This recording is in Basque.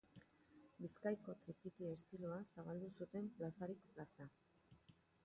Bizkaiko trikiti estiloa zabaldu zuten plazarik plaza.